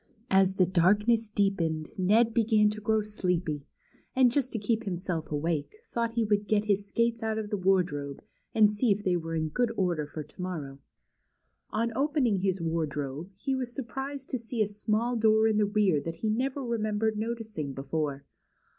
As the darkness deepened, Ned began to grow sleepy, and just to keep himself awake, thought he Avould get his skates out of the Avardrobe, and see if they were in good order for to morroAV. On opening his Avardrobe, he Avas surprised to see a small door in the rear that he never remembered noticing before.